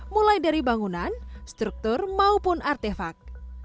mulai dari bangunan struktur maupun artefak